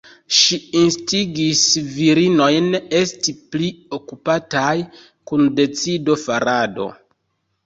Ŝi instigis virinojn esti pli okupataj kun decido-farado.